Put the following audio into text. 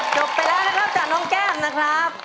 จบไปแล้วนะครับจากน้องแก้มนะครับ